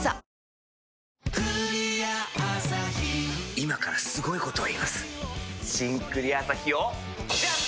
今からすごいこと言います「新・クリアアサヒ」をジャン！